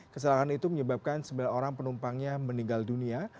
kesalahan itu menyebabkan sembilan orang penumpangnya meninggal dunia